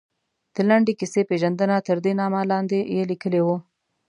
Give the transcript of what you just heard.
د لنډې کیسې پېژندنه، تردې نامه لاندې یې لیکلي وو.